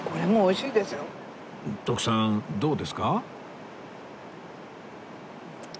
徳さんどうですか？